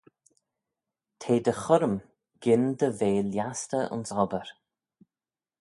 T'eh dty churrym gyn dy ve lhiastey ayns obbyr.